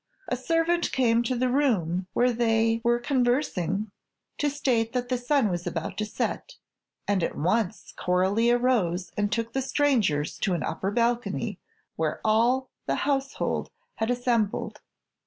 A servant came to the room where they were conversing, to state that the sun was about to set, and at once Coralie arose and took the strangers to an upper balcony, where all the household had assembled.